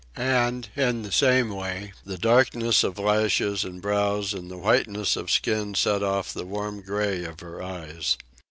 And, in the same way, the darkness of lashes and brows and the whiteness of skin set off the warm gray of her eyes.